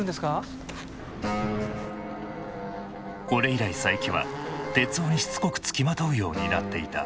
これ以来佐伯は徹生にしつこくつきまとうようになっていた。